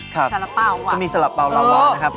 ก็มีสละเปาลาวานะครับ